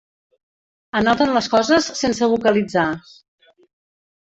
Anoten les coses sense vocalitzar.